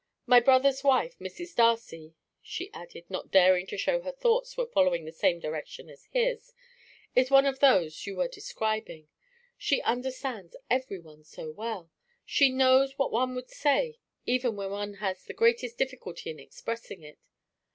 My brother's wife, Mrs. Darcy," she added, not daring to show her thoughts were following the same direction as his, "is one of those you were describing. She understands everyone so well; she knows what one would say even when one has the greatest difficulty in expressing it.